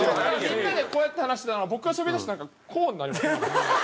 みんなでこうやって話してたのが僕がしゃべりだしたらなんかこうになりませんか？